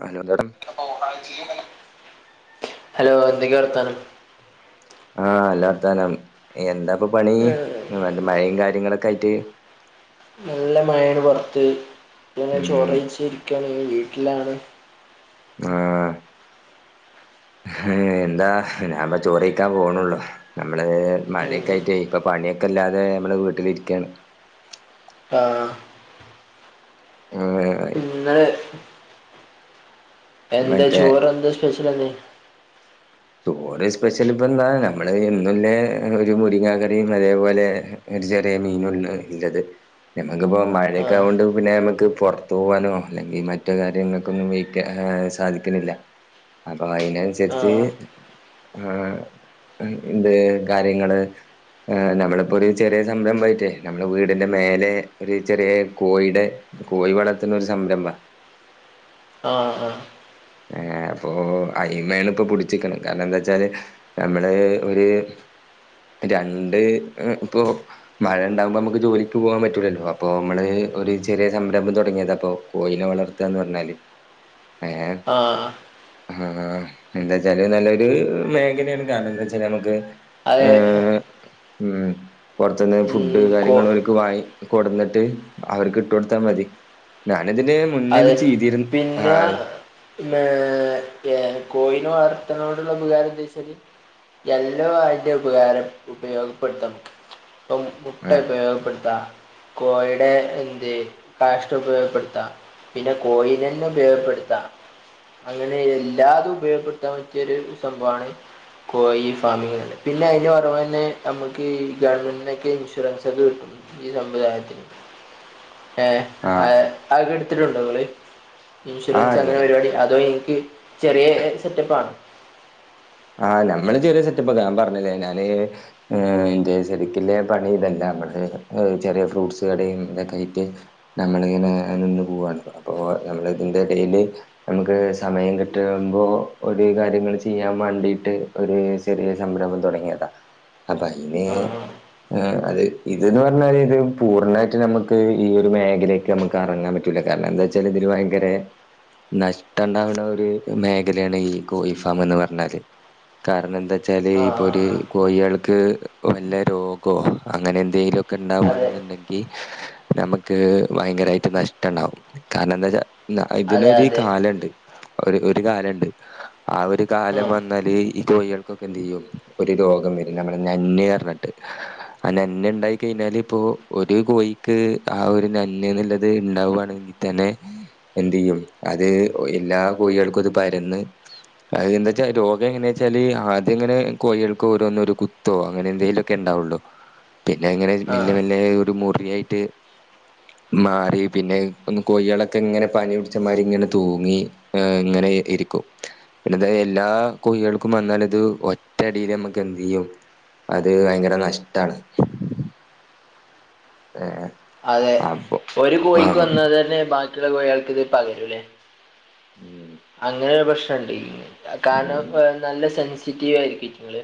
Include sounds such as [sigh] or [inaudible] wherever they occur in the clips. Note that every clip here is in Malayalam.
ഹലോ എന്ത [inaudible] ഹലോ എന്തൊക്കെ വർത്താനം ആ നല്ല വർത്താനം. എന്താപ്പൊ പണി, ഏഹ്, മഴയും കാര്യങ്ങളൊക്കെ ആയിട്ട് നല്ല മഴേണ് പൊർത്ത്. ഇങ്ങനെ ചോ ഉം റെയ്ച്ചിരിക്കാണ് വീട്ടിലാണ് ആഹ് ഏഎന്താ ഞാപ്പൊ ചോറൈക്കാൻ പോണൊള്ളു നമ്മള് ഉം. മഴയൊക്കായിട്ടെയ് ഇപ്പൊ പണിയൊക്കെ ഇല്ലാതെ നമ്മള് വീട്ടിലിരിക്കയാണ് ആ മ [inaudible] ഇന്ന് എന്താ മറ്റേ ചോറ് എന്താ സ്പെഷ്യൽ ഇന്ന് ചോറ് സ്പെഷ്യൽ ഇപ്പൊ എന്താ നമ്മള് എന്നുല്ലേ ഒരു മുരിങ്ങാ കറിം അതേപോലെ ഒരു ചെറിയ മീനുല്ല ല്ലത് ഞമ്മക്കിപ്പോ ആ മഴക്കെ ആവോണ്ട് പിന്നെ നമ്മക്ക് പൊർത്തു പോവാനോ അല്ലെങ്കിൽ മറ്റോ കാര്യങ്ങൾക്കൊന്നും വെയ്ക്ക സാധിക്ക്ണില്ല അപ്പൊ ആ അയ്നനൻസര്ച്ച് ആ എന്ത് കാര്യങ്ങള് ആ നമ്മളിപ്പോ ഒരു ചെറിയ സംരംഭം ആയിട്ടേ നമ്മുടെ വീടിന്റെ മേലെ ഒരു ചെറിയ കോഴിടെ കോയിവളർത്ത്ണൊര് സംരംഭാ ആഹ് ആഹ് ഏ അപ്പൊ അയ്മ്മേല പ്പൊ പുടിച്ചിക്ക്ണ. കാരണം എന്താച്ചാല് നമ്മള് ഒരു രണ്ട് അ് ഇപ്പൊ മയണ്ടാവുമ്പൊമമക്ക് ജോലിക്ക്പോവാൻപറ്റൂലല്ലോ അപ്പൊ അമ്മള് ഒര് ചെറിയ സംരംഭം തുടങ്ങിയതാപ്പോ കോയിനെ വളർത്താന്ന് പർഞ്ഞാല് ഏ ആഹ് ഹാ എന്താച്ചാല് നല്ലൊരു മേഖലേണ് കാരണം എന്താച്ചാ നമ്മക്ക് അഎ ഉം പൊറത്തുന്ന് ഫുഡ് ഉം, കോ കാര്യങ്ങളൊൽക്ക് വാങ്ങി കൊടുന്നിട്ട് അവർക്ക് ഇട്ട് കൊടുത്താ മതി ഞാൻ ഇതിന് മുന്നെത് ചെയ്തിരുന്നു ആ പിന്നേ എകോയിനെ വളർത്ത്നോടുള്ള ഉപകാരം എന്താച്ചാല് എല്ലോ അയ്ന്റെ ഉപകാരം ഉപയോഗപ്പെടുത്താം മുട്ട ആഹ് ഉപയോഗപ്പെട്ത്താ കോയിടെ എന്ത് കാഷ്ടം ഉപയോഗപ്പെടുത്താം പിന്നെ കോയിനന്നെ ഉപയോഗപ്പെടുത്താ അങ്ങനെ എല്ലാതും ഉപയോഗപ്പെടുത്താൻ പറ്റ്യൊരു സംഭവാണ് കോയി ഫാമിങ് ണ്ട്. പിന്നെ അയ്ൻ്റെ പുറമെന്നെ നമുക്ക് ഈ ഗവൺമെൻ്റ് ന്നൊക്കെ ഇൻഷുറൻസ് ഒക്കെ കിട്ടും ഈ സമ്പ്രദായത്തിന് [inaudible] ഏ ആഹ് അഅ് അഅ്ങ്ങ ഇട്ത്ത്ട്ട്ണ്ടോ ങ്ങള്. ഇൻഷുറൻസ് അങ്ങനെ ആഹ് പെര് വാടി അതോ ഇൻക്ക് ചെറ്യേ ഒരു സെറ്റപ്പാ ആ നമ്മള് ചെറിയ സെറ്റപ്പൊക്കെ ഞാൻ പറഞ്ഞ്ലേ ഞാന് ഏ ഇൻ്റെ സരിക്കിള്ള പണി ഇതല്ല. ബടന്ന് ചെറ്യേ ഫ്രൂട്ട്സ് കടയും തൊക്കെ ആയിട്ട് നമ്മളിങ്ങനെ അഹ് നിന്ന് പോവാണ് അപ്പോ നമ്മളിതിന്റെ എടേല്. നമുക്ക് സമയം കിട്ട്മ്പോ ഒര് കാര്യങ്ങൾ ചെയ്യാ. മാണ്ടിട്ട് ഒരു ചെറിയ സംരംഭം തൊടങ്ങിയതാ അപ്പൊ അയ്ന്. ആ ഏഹ് അത് ഇത്ന്ന് പർഞ്ഞാല് ഇത് പൂർണ്ണായിട്ട് നമക്ക് ഈ ഒരു മേഖല. നമ്മക്ക് എറങ്ങാൻ പറ്റൂല്ല കാരണം എന്താച്ചാൽ ഇതില് വയ്ങ്കരെ. നഷ്ട്ടണ്ടാവ്ണ ഒരു മേഖലേണ് ഈ കോയിഫാമ്ന്ന് പറ്ഞ്ഞാല്. കാരണം എന്താച്ചാല് ആ പ്പൊരു ആ ആ കോയിയാൾക്ക് വല്ല രോഗോ അങ്ങനെ എന്തെലൊക്കെ. ക്കെ അതെ ഇണ്ടാവാണ്ന്ന്ണ്ടെങ്കി നമക്ക് ബൈങ്കരായിട്ട് നഷ്ട്ടണ്ടാവും കാരണംന്താച്ചാ. ന്നാ അതെ ഇതിനൊരു അതെ കാലണ്ട് ഒര് ഒര് കാലണ്ട് ആ ഒര്. ഒരു കാലം വന്നാല് ഈ കോയിയാൾക്കൊക്കെ എന്തെയ്യും ഒരു രോഗം വരും ഞങ്ങൾ നഞ് റ്ഞ്ഞ്ട്ട്. ആ നന്ന് ണ്ടായി കൈന്നാല് ഇപ്പോ ഒരു കോയിക്ക് ആ ഒരു നന്ന്ന്ന്ള്ളത് ഉണ്ടാവാണെങ്കി. ത്തനെ എന്തെയ്യും അത് ഒ എല്ലാ കോയിയാൾക്കും അത് പരന്ന്. അഹ് എന്താച്ചാ രോഗം എങ്ങനെച്ചാല് ആദ്യങ്ങനെ കോയിയാൾക്ക് ഓരോന്നോ ഒര് കുത്തോ അങ്ങനെ എന്തേലൊക്കെ ഇണ്ടാവുള്ളു. പിന്നെങ്ങനെ ആ ആ മെല്ലെ മെല്ല ഒരു മുറിയായിട്ട്. മാറി പിന്നെ ഒന്ന് കോയിയാളൊക്കെ ഇങ്ങനെ പനി പിടിച്ചമാരിങ്ങനെ തൂങ്ങി. ഏഹ് ങ്ങനെ ഇരി ഇരിക്കും. പിന്നെത് എല്ലാ കൊയിയാൾക്കും വന്നാല്ത് ഒറ്റടില് നമ്മക്ക് എന്തെയ്യും. അത് വയ്ങ്കര നഷ്ട്ടാണ്. ഏഹ്. അതെ അപ്പൊ ഒരു കോയിക്ക് ആഹ് വന്നാതന്നെ ബാക്കിള്ള കോയാൾക്ക് ഇത് പകരു ലെ. ഉം അങ്ങനെ ഒര് പ്രശ്നംണ്ട് കാരണം ഉം ഹ് നല്ല സെൻസിറ്റീവായിരിക്കും ഇറ്റിങ്ങള്.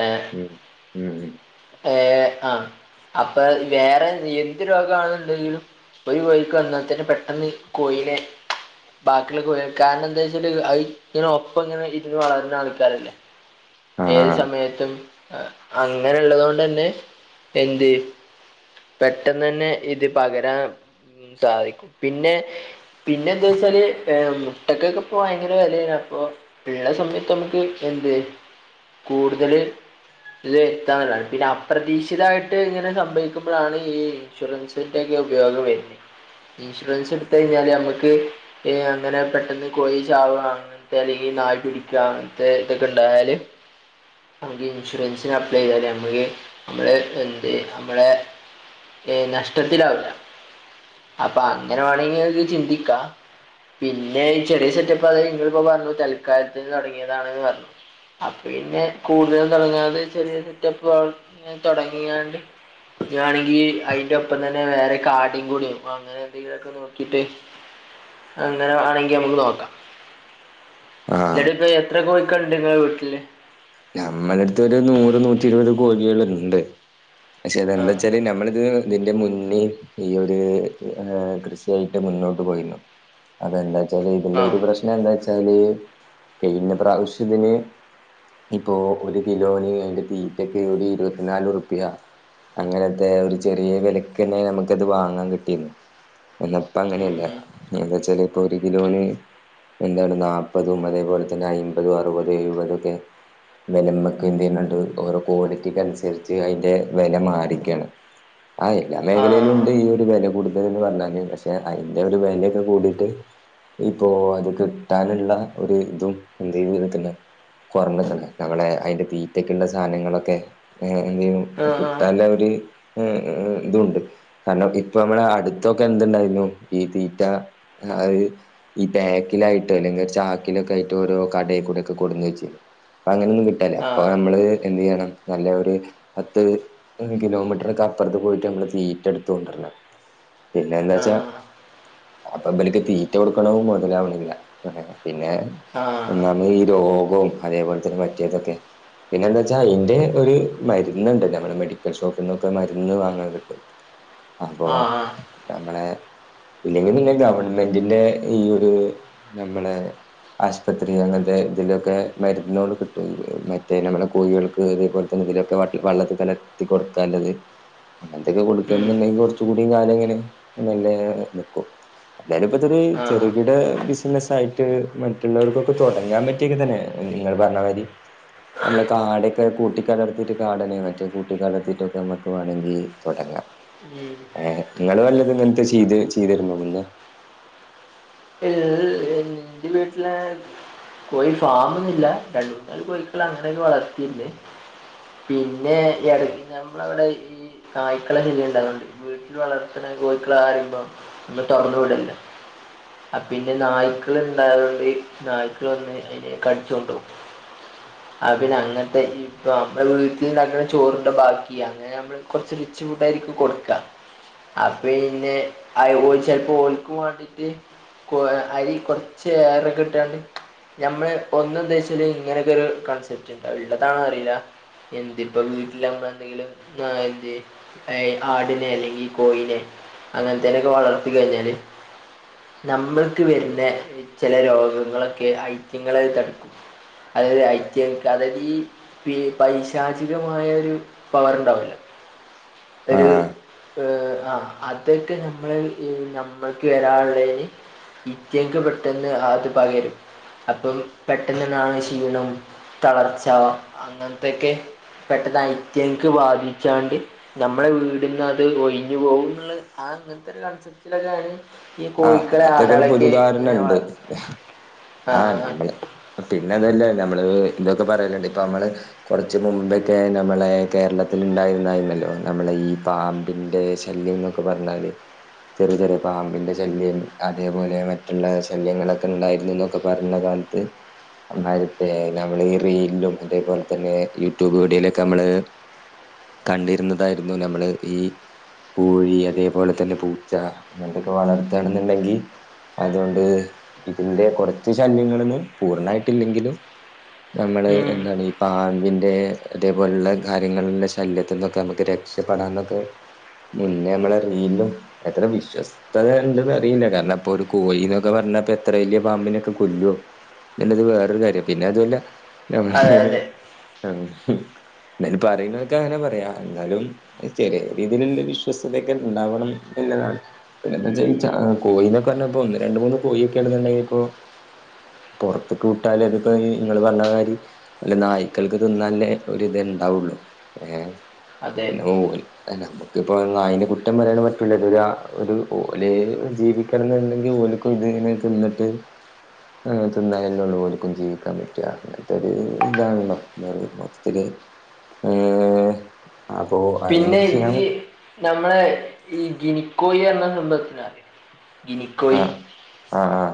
ഏ ഉം ഉം ഏഹ് ആഹ്. അപ്പൊ വേറെ എന്ത് രോഗാണ്ന്ന്ണ്ടെങ്കിലും. ഒരു കോയിക്ക് വന്നാ തന്നെ പെട്ടെന്ന് കോയിനെ ബാക്കിള്ള കോയാ കാരണം എന്താച്ചാല് അഹ് ഇങ്ങനെ ഒപ്പം ഇങ്ങനെ ഇര്ന്ന് വളര്നെ ആൾക്കാരല്ലേ. ഏത് ആഹ് സമയത്തും ഹ് അങ്ങനെള്ളത് കൊണ്ടന്നെ എന്ത്. പെട്ടെന്നന്നെ ഇത് പകരാൻ സാധിക്കും പിന്നെ. പിന്നെ എന്താച്ചാല് ഏഹ് മുട്ടക്കൊക്കെ ഇപ്പ ബൈങ്കര വെലേണ് അപ്പൊ. യാളെ സമ്മതിച്ചെടുത്തോള മ്മക്ക് എന്ത്. കൂടുതല്. ഇത് താണ് പിന്നെ അപ്രതീക്ഷിതായിട്ട് ഇങ്ങനെ സംഭവിക്കുമ്പൊഴാണ് ഈ. ഇൻഷുറൻസിന്റൊക്കെ ഉപയോഗം വര്നെ ഇൻഷുറൻസ് ഇട്ത്തഴിഞ്ഞാല് നമ്മക്ക്. ഏഹ് അങ്ങനെ പെട്ടെന്ന് കോയി ചാവ്ആ. ത്തെല്ലെങ്കി നായി പിടിക്യാ [unintelligible] അങ്ങന് ത്തെതൊക്കെ ഇണ്ടായാല്. ഒരു ഇൻഷുറൻസിന് അപ്ലൈയ്താല് നമ്മക്ക് നമ്മള് എന്ത് നമ്മളെ. ഏ നഷ്ട്ടത്തിലാവില്ല അപ്പൊ അങ്ങനെ വാണങ്കി ഇങ്ങക്ക് ചിന്തിക്കാം. പിന്നെ ഈ ചെറിയ സെറ്റപ്പ് അത് നിങ്ങളിപ്പൊ പറഞ്ഞു തൽക്കാലത്തിന് തൊടങ്ങിയതാണ്ന്ന് പറഞ്ഞു. ആ പിന്നെ കൂടുതലും തൊടങ്ങാതെ ചെറിയ സെറ്റപിൽ തൊടങ്ങികാണ്ട്. ഇഞാണെങ്കി അയ്ന്റൊപ്പം തന്നെ വേറെ കാടിം കൂടി അങ്ങനെന്തെങ്കിലൊക്കെ. നോക്കിട്ട് അങ്ങനെ വാണെങ്കി നമുക്ക് നോക്കാം. ആഹ് ഇങ്ങട്ട്പ്പം എത്ര കോയിക്കള്ണ്ട് ഇങ്ങളെ വീട്ടില്. ഞമ്മളെട്ത്ത് ഒരു നൂറ് നൂറ്റി ഇരുവത് കോഴിയാളുണ്ട്. പഷേ ആ ഇതെന്താച്ചാല് നമ്മള്തിന് ഇതിന്റെ മുന്നിം ഈ ഒര് ഏഹ് കൃഷിയായിട്ട് മുന്നോട്ട് പോയിര്ന്നു. അതെന്താച്ചാല് ഇതിന്റെ ആ ഒരു പ്രശ്നെന്താച്ചാല് കൈഞ്ഞ പ്രാവ്ശ്യതിന്. ഇപ്പോ ഒരു കിലോന് അയ്ന്റെ തീറ്റക്ക് ഒര് ഇര്വത്തിനാല് ഉർപ്യ. അങ്ങനെത്തെ ഒരു ചെറിയ വെലക്കന്നെ നമുക്കത് വാങ്ങാൻ കിട്ടിര്ന്ന് എന്ന. ഇപ്പ ഉം, അങ്ങനെയല്ല ഉം. എന്താച്ചാല് ഇപ്പൊ ഒരു കിലോന്. ന്താണ് നാപ്പതും അതേപോലെതന്നെ അയ്മ്പതും അർവത് എഴുവതൊക്കെ. എന്നാ നമ്മക്ക് ഇത് കഴിഞ്ഞിട്ട് ഓരോ ക്വാളിറ്റിക്ക് അനുസരിച്ച് അതിൻ്റെ വില മാറിയോക്കണ് ആഹ് എല്ലാ ആ മേഖലയിലും ഉണ്ട് ഈ ഒരു വില കൂടുതലന്ന് പറഞ്ഞാല് പക്ഷെ അതിന്റെ ഒരു വിലയൊക്കെ കൂടിയിട്ട് ഇപ്പോ അത് കിട്ടാനുള്ള ഒരു ഇതും എന്താ ഇതോപോലെ തന്നെ കുറഞ്ഞല്ലെ നമ്മള് അതിന്റെ തീറ്റക്കുള്ള സാധനങ്ങളൊക്കെ ആ എന്താ ആ കിട്ടാന് ഒരു ആഹ് ഇതുണ്ട് കാരണം ഇപ്പൊ നമ്മളെ അടുത്തൊക്കെ എന്ത് ഉണ്ടായിരുന്നു ഈ തീറ്റ അത് ഈ ബാക്കിലായിട്ട് അല്ലെങ്കിൽ ചാക്കിലൊക്കെ ആയിട്ട്ഓരോ കടയിൽ കൂടെ ഒക്കെ കൊട്ന്നു വെച്ച് തരും അങ്ങനെയൊന്നും കിട്ടല്ല അപ്പൊ നമ്മള് എന്ത് ചെയ്യണം നല്ല ഒരു പത്ത് കിലോമീറ്ററെക്കെ അപ്പുറത്ത് പോയിട്ട് നമ്മള് തീറ്റ എടുത്ത കൊണ്ടുവരുന്ന പിന്നെ എന്ന് ആ വെച്ചാ അപ്പം ഇബൽ ക്ക് തീറ്റ കൊടുക്കണതും മുതലാവണില്ല പിന്നെ ആ ഒന്നാമത് ഈ രോഗവും അതേപോലെ തന്നെ മറ്റേതൊക്കെ പിന്നെ എന്താ വെച്ചാ അതിന്റെ ഒരു മരുന്നുണ്ട് നമ്മുടെ മെഡിക്കൽ ഷോപ്പിൽ നിന്നൊക്കെ മരുന്ന് വാങ്ങാൻ കിട്ടും. അപ്പൊ ആ ആ നമ്മളെ ഇല്ലെങ്കിൽ നിങ്ങള് ഗവൺമെന്റിന്റെ ഈ ഒരു നമ്മളെ ആശുപത്രി അങ്ങനത്തെ ഇതിലൊക്കെ മരുന്നിനോട് കിട്ടും മറ്റേ നമ്മളുടെ കോഴികൾക്ക് അതേപോലെ തന്നെ ഇതിലൊക്കെ വെള്ളത്തിൽ കലത്തി കൊടുക്കാനുള്ളത് അങ്ങനത്തൊക്കെ ഉം, കൊടുക്കണെന്നുണ്ടെങ്കിൽ കൊറച്ചു കൂടിയ കാലം ഇങ്ങനെ നല്ല നിക്കും. എന്തായാലും ഇപ്പ ഇച്ചിരി ആ ചെറുകിട ബിസിനസ് ആയിട്ട് മറ്റുള്ളവർക്കൊക്കെ തുടങ്ങാൻ പറ്റു- ക്കെ തന്നെ നിങ്ങൾ പറഞ്ഞമാതിരി നമ്മള് കാടൊക്കെ കൂട്ടി കലർത്തിട്ട് കാടനെ മറ്റേ കൂട്ടി കലർത്തിയിട്ടൊക്കെ നമക്ക് വേണമെങ്കിൽ തുടങ്ങാം. ഉം ഏഹ് നിങ്ങൾ വല്ലത് ഇങ്ങനത്തെ ചെയ്ത് ചെയ്തിരുന്നോ മുന്നേ എഹ് എൻ്റെ വീട്ടിലെ [unintelligible] കോഴി ഫാമൊന്നില്ല രണ്ട് മൂന്ന് നാല് കോഴഴിക്കൾ അങ്ങനെ വളർത്തിയിട്ടുണ്ട്. പിന്നെ ഈ അടുത്ത് നമ്മളെ ഇവിടെ നായ്ക്കളെക്കെ ശല്യം ണ്ട് അതുകൊണ്ട് വീട്ടിൽ വളർത്തണ കോഴികളാമ്പോൾ ഒന്നും തുറന്നു വിടില്ല. പിന്നെ നായ്ക്കള് ഇണ്ടായതുകൊണ്ട് ഇ നായ്ക്കൾ വന്ന് അതിനെ കടിച്ചോണ്ട് പോവും. [inaudible] ആ പിന്നെ അങ്ങനത്തെ ഇപ്പം നമ്മടെ വീട്ടിൽ ഉണ്ടാക്കണ ചോറിൻ്റെ ബാക്കി അങ്ങനെ നമ്മള് കുറച്ച് മിച്ചമിണ്ടയിരിക്കും കൊടുക്കുക. അപ്പൊ പിന്നെ ചിലപ്പോ ഓൽക്കും വേണ്ടിട്ട് കൊ അരി കൊറച്ച് ഏറെക്കെ കിട്ടാണ്ട് മ്മള് ഒന്ന് ഉദ്ദേശിച്ചത് ഇങ്ങനെയൊക്കെ ഒരു കൺസെപ്റ്റ് ഉണ്ടാവും ഉള്ളതാണന്ന് അറിയില്ല. എന്തിപ്പം വീട്ടില് നമ്മള്എന്തെങ്കിലും [unintelligible] ആടിനെ അല്ലെങ്കിൽ കോഴിനെ അങ്ങനത്തനൊക്കെ വളർത്തി കഴിഞ്ഞാല്. നമ്മൾക്ക് വരുന്ന ചില രോഗങ്ങളൊക്കെ ഐത്യങ്ങളിലേക്ക് കടക്കും. അതയത് ഐറ്റ അത് തഈ പി പൈശാചികമായ ഒരു പവർ ഉണ്ടാവില്ലേ ഒരു ആഹ് ആഹ് അതൊക്കെ നമ്മൾ ഈ നമ്മൾക്ക് വരാനുള്ള തിന്- ഇവത്യങ്ങൾക്ക് പെട്ടെന്ന് അത് പകരും അപ്പം പെട്ടെന്നന്നാണ് ക്ഷീണം തളർച്ച അങ്ങനത്തെൊക്കെ പെട്ടന്ന് അതിത്യങ്ങൾക്ക് ബാധിച്ചാണ്ട് നമ്മളെ വീടിന്ന് അത് ഒഴിഞ്ഞു പോകുന്നുള്ളത് ആഹ് അങ്ങനത്തെ ഒരു കൺസെപ്റ്റിലാണ് ഞാന് ഈ കോഴിക്ക് അങ്ങനത്തെക്ക ഒരു പൊതു ധാരണ ഉണ്ട് ആഹ് ആ ആ നമ്മള്. പിന്നെ അതല്ലേ നമ്മള് ഇതൊക്കെ പറയലുണ്ട് ഇപ്പൊ നമ്മള്. കുറച്ച് മുമ്പൊക്കെ നമ്മളെ കേരളത്തിൽ ഉണ്ടായിരുന്നായിരുന്നല്ലോ നമ്മളെ ഈ പാമ്പിന്റെ ശല്യം. പറഞ്ഞാല് ചെറിയ ചെറിയ പാമ്പിന്റെ ശല്യ ശല്യം അതേപോലെ മറ്റുള്ള ശല്യങ്ങളൊക്കെ ഉണ്ടായിരുന്നു എന്നൊക്കെ പറഞ്ഞ കാലത്ത് [unintelligible] ഈ റീലും അതേ പോലെ തന്നെ യൂട്യൂബ് വീഡിയോയിലൊക്കെ നമ്മള് കണ്ടിരുന്നതായിരുന്നു നമ്മൾ ഈ കോഴി അതേപോലെ തന്നെ പൂച്ച ഇങ്ങനത്തൊക്കെ വളർത്തണെന്നുണ്ടെങ്കിൽ അതോണ്ട് ഇതിന്റെ കുറച്ച് ശല്യങ്ങളിന്ന് പൂർണ്ണമായിട്ടില്ലെങ്കിലും. നമ്മള് ഉം എന്താണ് ഈ പാമ്പിന്റെ അതേപോലുള കാര്യങ്ങളുടെ ശല്യത്തിൽ നിന്നൊക്കെ നമുക്ക് റക്ഷ് ഷപെടാന്നൊക്കെ മുന്നേ നമ്മള് നീലും എത്ര വിശ്വസ്തത. ഇണ്ടന്നറിയില്ല കാരണം അപ്പോ ഒരു കോഴിന്നൊക്കെ പറഞ്ഞപ്പൊ ഇത്ര വലിയ പാമ്പിനൊക്കെ കൊല്ലോ. നല്ലത് വേറൊരു കാര്യം പിന്നെ അതുവല്ല. നമ്മ അതെ അതെ എന്നാലും പറയുന്നോൽക്ക അങ്ങനെ പറയാ എന്നാലും ചെറിയ രീതിയിലുള്ള വിശ്വസ്തതയൊക്കെ ഉണ്ടാവണം എന്നതാണ്. പിന്നെന്താ ഉം ചെയ്യാ ഉം ആ കോഴി എന്നൊക്കെ പറഞ്ഞപ്പോ ഒന്ന് രണ്ട് മൂന്ന് കോഴിയൊക്കെ ആണ് ഉണ്ടെന്നുണ്ടെങ്കി ഇപ്പൊ പുറത്ത് വിട്ടാല് ഇതിപ്പോ നിങ്ങള് പറഞ്ഞമാതിരി. വല്ല നായ്ക്കൾക്ക് തിന്നാൻള്ള ഒരിതേ ഇണ്ടാവുള്ളു ഏ അതെ പിന്നെ ഓ നമ്മുക്കിപ്പോ അയിന്റെ കുറ്റം പറയാൻ പറ്റൂല ഇതെല്ലാം ഒര് [unintelligible] ജീവിക്കണം എന്നുണ്ടങ്കില് ഓൽക്കും ഇതി ഇങ്ങനെ തിന്നിട്ട് അങ്ങനെ തിന്നാലെല്ലേഉള്ളൂ ഓൽക്കും ജീവിക്കാൻ പറ്റാ അങ്ങനത്തെ ഒരു ഇതാണല്ലോ എന്താ പറയ മൊത്തത്തില്. ഹ് അപ്പൊ പിന്നെ ഈ [unintelligible] നമ്മളെ ഈ ഗിനിക്കോയി എന്ന സംഭവത്തിൻ്റെ ഗിനിക്കോയി ആഹ് ആഹ്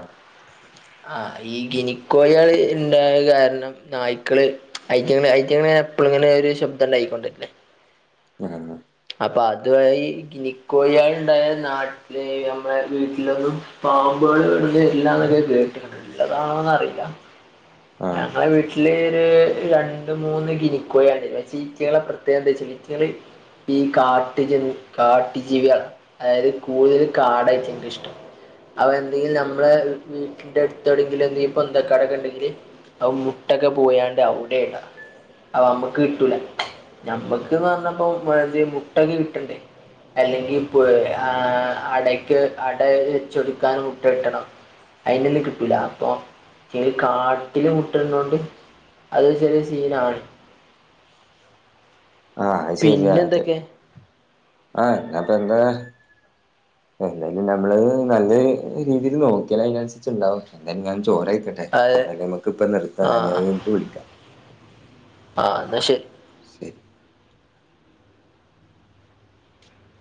ആ ഈ ഗിനിക്കോഴികള് ഇണ്ടായ കാരണം നായ്ക്കള് ഐറ്റങ്ങള് ഐറ്റങ്ങള് എപ്പോളും ഇങ്ങനെ ഒരു ശബ്ദം ഉണ്ടാക്കി കൊണ്ടിരിക്കുന്നെ. [unintelligible] അപ്പൊ അതവാ ഈ ഗിനിക്കോഴികള് ഉണ്ടായ നാ ല്ലേ ഈ നമ്മടെ വീട്ടിലൊന്നും പാമ്പ്കള് വരില്ലാന്നെക്കെ കേട്ട്ക്ക്ണ്. ല്ലതാണോന്നറില്ല, ആഹ് ഞങ്ങടെ വീട്ടില് രണ്ട് മൂന്ന് ഗിനിക്കോഴി [unintelligible] ഈറ്റകളുടെ പ്രത്യേകത എന്താച്ചാ ഈറ്റകള് ഈ കാട്ടുജ കാട്ടുജീവിയാണ്, അതായത് കൂടുതൽ കാടായിരിക്കും അയിന് ഇഷ്ട്ടം. അവ എന്തെങ്കിലും നമ്മട വീട്ടിന്റെ അടുത്ത് എവിടെങ്കിലും എന്തെങ്കിലും പൊന്തക്കാടൊക്കെ ഉണ്ടെങ്കില് ആ മുട്ടയൊക്കെ പോയാണ്ട് അവിടാ ഇടുക. ആഹ് നമ്മക്ക് കിട്ടൂല, ഞമ്മക്ക്ന്ന് പറഞ്ഞപ്പോ, മുട്ടക്കെ കിട്ടണ്ടേ. അല്ലെങ്കിൽ, പ് ആ അടക്ക്, അട വച്ചൊടുക്കാൻ മുട്ട കിട്ടണം. അയിൻ്റുള്ളിൽ, കിട്ടൂല്ല, അപ്പോ ഈ കാ കാട്ടില് മുട്ടിടുന്നണ്ട് അത് ചെറിയ സീനാണ്. ആഹ് അത് ശരിയാ അതെ പിന്നെന്തൊക്കെ ആഹ് എന്നപ്പൊ എന്താ എന്തായാലും നമ്മള് നല്ല രീതിൽ നോക്കിയാല് അതിനനുസരിച്ച് ഉണ്ടാവും എന്തായാലും ഞാൻ ചോറ് കയിക്കട്ടെ അത് എന്തായാലും നമ്മക്ക് ഇപ്പ നിർത്താ ആ ഞാന് അത് കഴിഞ്ഞട്ട് വിളിക്കാം ആ എന്നാ ശെരി ശരി